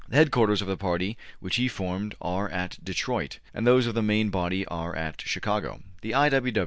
The headquarters of the party which he formed are at Detroit, and those of the main body are at Chicago. The I. W.